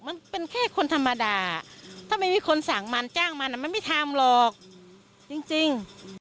มันเป็นแค่คนธรรมดาถ้าไม่มีคนสั่งมันจ้างมันมันไม่ทำหรอกจริง